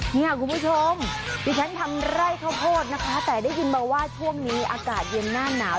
เนี่ยคุณผู้ชมดิฉันทำไร่ข้าวโพดนะคะแต่ได้ยินมาว่าช่วงนี้อากาศเย็นหน้าหนาว